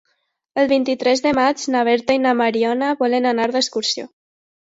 El vint-i-tres de maig na Berta i na Mariona volen anar d'excursió.